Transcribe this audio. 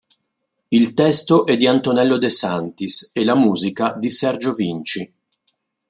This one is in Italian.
Il testo è di Antonello de Sanctis e la musica di Sergio Vinci.